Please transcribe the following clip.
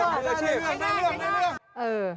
นั่นเรื่อง